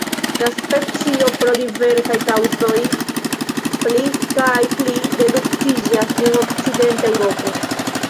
La specio pro diversaj kaŭzoj pli kaj pli reduktiĝas en Okcidenta Eŭropo.